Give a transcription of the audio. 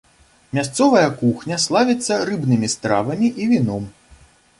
Мясцовая кухня славіцца рыбнымі стравамі і віном.